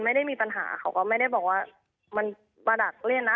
ไม่ได้มีปัญหาเขาก็ไม่ได้บอกว่ามันมาดักเล่นนะ